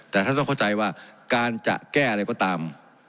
แต่ท่านต้องเข้าใจว่าการจะแก้อะไรก็ตาม